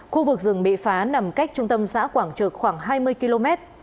khu vực rừng bị phá nằm cách trung tâm xã quảng trực khoảng hai mươi km